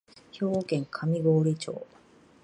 兵庫県上郡町